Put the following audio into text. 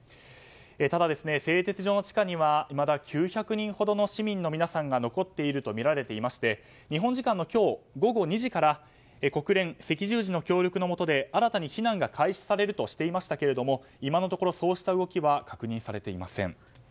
ただ、製鉄所の地下にはいまだ９００人ほどの市民が残っているとみられていまして日本時間の今日午後２時から国連、赤十字の協力のもとで新たに避難が開始されるとしていましたが今のところ、そうした動きは確認されていません。